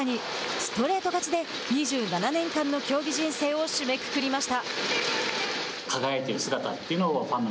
ストレート勝ちで２７年間の競技人生を締めくくりました。